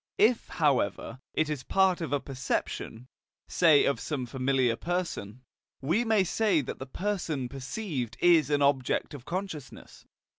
If, however, it is part of a perception, say of some familiar person, we may say that the person perceived is an object of consciousness.